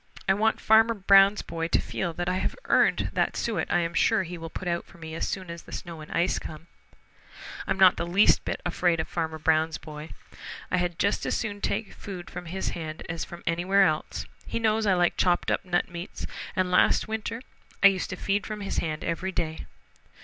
I want Farmer Brown's boy to feel that I have earned that suet I am sure he will put out for me as soon as the snow and ice come. I'm not the least bit afraid of Farmer Brown's boy. I had just as soon take food from his hand as from anywhere else. He knows I like chopped up nut meats, and last winter I used to feed from his hand every day."